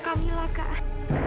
kak mila kak